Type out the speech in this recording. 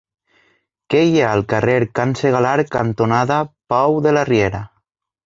Què hi ha al carrer Can Segalar cantonada Pou de la Riera?